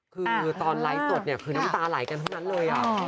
คือตอนไลน์สดน้ำตาหลายกันพอนั้นเลย